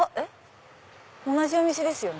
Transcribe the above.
同じお店ですよね？